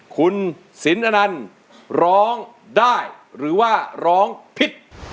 คุณสินอนันต์ร้องได้หรือว่าร้องผิด